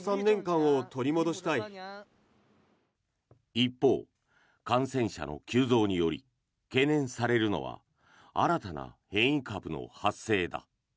一方、感染者の急増により懸念されるのは新たな変異株の発生だ。